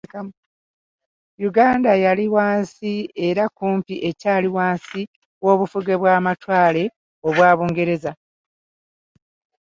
Yuganda yali wansi era kumpi ekyali wansi w'obufuge bw'amatwale obwa Bungereza.